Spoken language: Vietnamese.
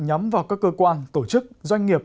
nhắm vào các cơ quan tổ chức doanh nghiệp